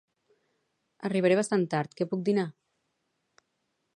Arribaré bastant tard, què puc dinar?